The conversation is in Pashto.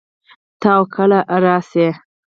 تۀ او کله ار سې